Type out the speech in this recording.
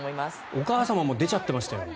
お母様も出ちゃってましたよ。